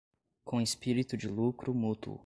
com espírito de lucro mútuo